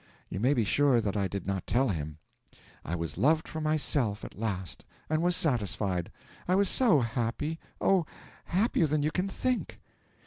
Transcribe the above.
You may be sure that I did not tell him. I was loved for myself at last, and was satisfied. I was so happy oh, happier than you can think!